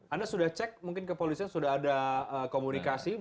anda sudah cek mungkin ke polisnya sudah ada komunikasi